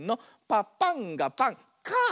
「パパンがパンカァ」